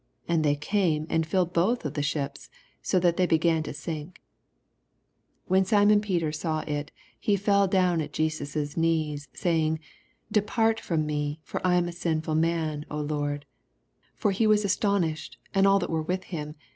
And they came, and filled botn the ships, so that they began to sink. 8 When Simon Peter saw U, he fell down at Jesus^knees, saying. Depart Lord. from me ; for I am a sinful man, 9 For he was astonished, and all that were with him.